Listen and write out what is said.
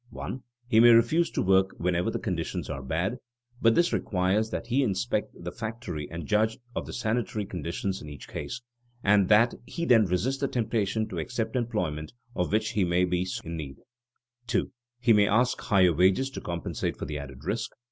(1) He may refuse to work whenever the conditions are bad. But this requires that he inspect the factory and judge of the sanitary conditions in each case, and that he then resist the temptation to accept employment of which he may be sorely in need. (2) He may ask higher wages to compensate for the added risk.